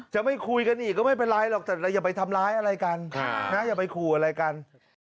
จะไม่คุยกันอีกก็ไม่เป็นไรหรอกแต่เราอย่าไปทำร้ายอะไรกันอย่าไปขู่อะไรกัน